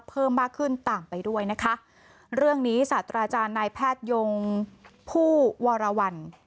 เพิ่มมากขึ้นตามไปด้วยนะคะเรื่องนี้ศาสตราจารย์นายแพทยงผู้วรวรรณ